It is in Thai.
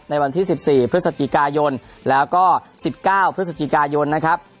ในวันที่๑๔พฤศจิกายนแล้วก็๑๙พฤศจิกายนนะครับ